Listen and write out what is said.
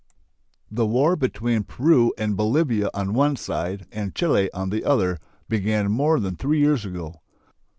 The war between Peru and Bolivia on the one side and Chile on the other began more than three years ago.